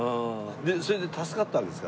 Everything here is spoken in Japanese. それで助かったわけですか？